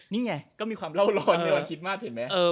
นี่ไงก็มีความเล่าร้อนในวันคิดมากเห็นไหม